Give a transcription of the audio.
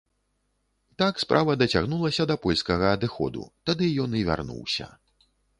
Так справа дацягнулася да польскага адыходу, тады ён і вярнуўся.